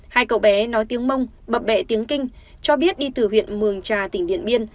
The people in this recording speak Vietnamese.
hai cậu bé nói tiếng mông bập bẹ tiếng kinh cho biết đi từ huyện mường trà tỉnh điện biên